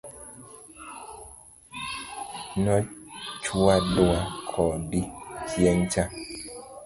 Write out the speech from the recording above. Nochwadwa kodi chieng cha.